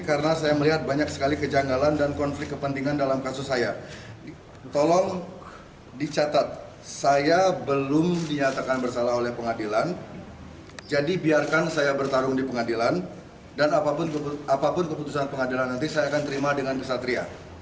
karena saya melihat banyak sekali